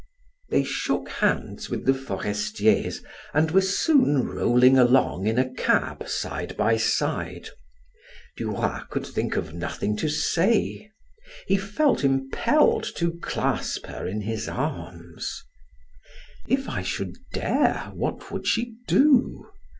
They shook hands with the Forestiers and were soon rolling along in a cab side by side. Duroy could think of nothing to say; he felt impelled to clasp her in his arms. "If I should dare, what would she do?"